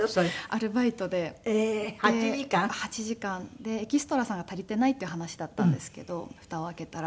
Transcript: でエキストラさんが足りていないっていう話だったんですけど蓋を開けたら。